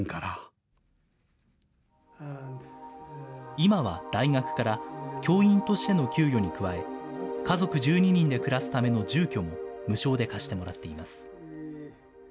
今は大学から教員としての給与に加え、家族１２人で暮らすための住居も無償で貸してもらっています。